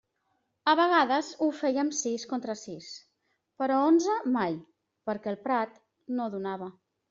A vegades ho fèiem sis contra sis, però onze mai perquè el prat no donava.